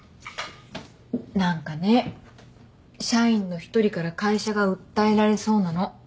何かね社員の一人から会社が訴えられそうなの。